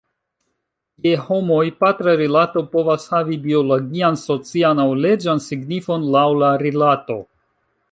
Je homoj, patra rilato povas havi biologian, socian, aŭ leĝan signifon, laŭ la rilato.